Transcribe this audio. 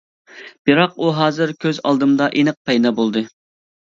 بىراق ئۇ ھازىر كۆز ئالدىمدا ئېنىق پەيدا بولدى.